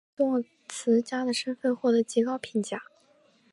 其作词家的身份获得极高的评价。